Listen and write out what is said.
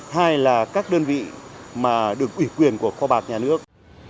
hai là các đơn vị mà được ủy quyền của kho bạc nhà nước